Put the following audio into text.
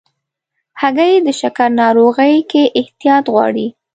هګۍ د شکر ناروغۍ کې احتیاط غواړي.